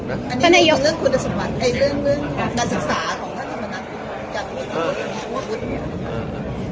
อันนี้คือเรื่องคุณศัพท์เรื่องมันศึกษาของลัทธิปรับมณะ